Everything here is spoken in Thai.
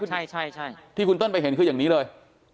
ใช่ที่คุณเติ้ลไปเห็นคืออย่างนี้เลย